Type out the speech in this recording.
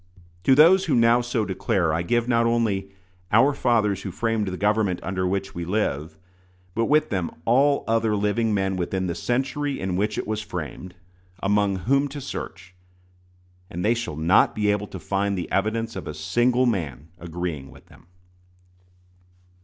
To those who now so declare I give not only "our fathers who framed the government under which we live," but with them all other living men within the century in which it was framed, among whom to search, and they shall not be able to find the evidence of a single man agreeing with them.